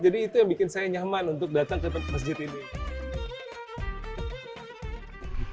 itu yang bikin saya nyaman untuk datang ke masjid ini